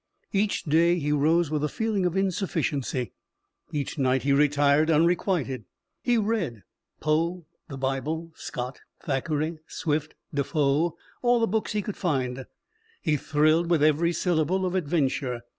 Each day he rose with a feeling of insufficiency. Each night he retired unrequited. He read. Poe, the Bible, Scott, Thackeray, Swift, Defoe all the books he could find. He thrilled with every syllable of adventure.